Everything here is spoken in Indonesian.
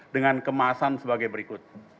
dengan kemasan sebagai berikut